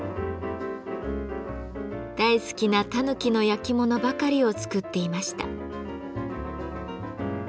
大好きなたぬきの焼き物ばかりを作っていました。